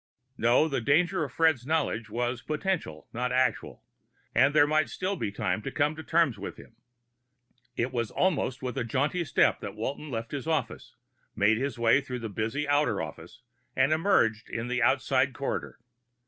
No; the danger in Fred's knowledge was potential, not actual, and there might still be time to come to terms with him. It was almost with a jaunty step that Walton left his office, made his way through the busy outer office, and emerged in the outside corridor.